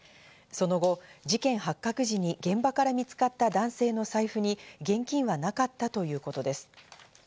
その後、事件発覚時に現場から見つかった男性の財布に現金はなかったということです。